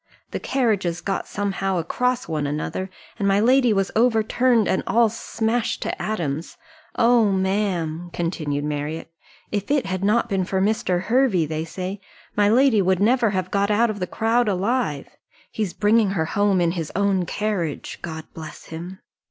The carriages got somehow across one another, and my lady was overturned, and all smashed to atoms. Oh, ma'am," continued Marriott, "if it had not been for Mr. Hervey, they say, my lady would never have been got out of the crowd alive. He's bringing her home in his own carriage, God bless him!"